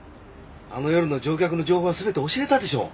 あの夜の乗客の情報は全て教えたでしょう。